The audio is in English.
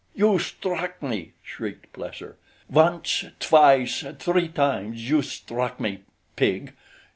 "You struck me," shrieked Plesser. "Once, twice, three times, you struck me, pig.